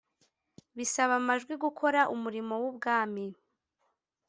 bisaba amajwi gukora Umurimo w Ubwami